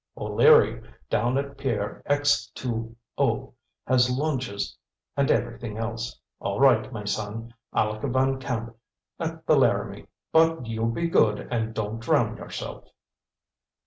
"O'Leary, down at pier X 2 O has launches and everything else. All right, my son, Aleck Van Camp, at the Laramie. But you be good and don't drown yourself."